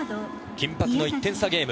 緊迫の１点差ゲーム。